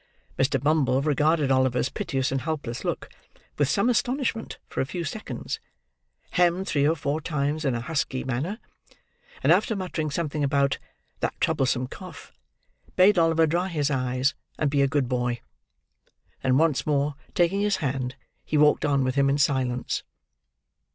Mr. Bumble regarded Oliver's piteous and helpless look, with some astonishment, for a few seconds; hemmed three or four times in a husky manner; and after muttering something about "that troublesome cough," bade Oliver dry his eyes and be a good boy. Then once more taking his hand, he walked on with him in silence.